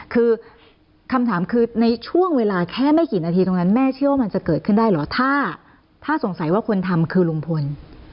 คือคำถามคือในช่วงเวลาแค่ไม่กี่นาทีตรงนั้นแม่เชื่อว่ามันจะเกิดขึ้นได้เหรอถ้าสงสัยว่าคนทำคือลุงพล